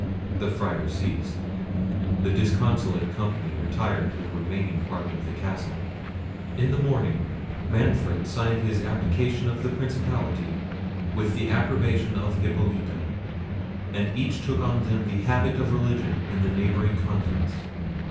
The Friar ceased. The disconsolate company retired to the remaining part of the castle. In the morning Manfred signed his abdication of the principality, with the approbation of Hippolita, and each took on them the habit of religion in the neighbouring convents.